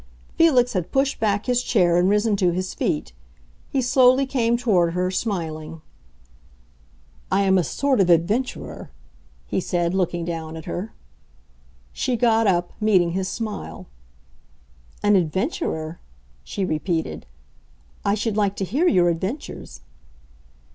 Felix had pushed back his chair and risen to his feet; he slowly came toward her, smiling. "I am a sort of adventurer," he said, looking down at her. She got up, meeting his smile. "An adventurer?" she repeated. "I should like to hear your adventures."